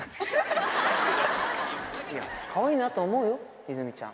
いや、かわいいなと思うよ、イズミちゃん。